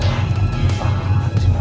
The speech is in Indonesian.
gak apa apa sih lo